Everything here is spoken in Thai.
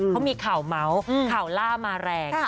เขามีข่าวเมาส์ข่าวล่ามาแรง